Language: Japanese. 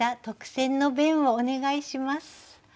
特選の弁をお願いします。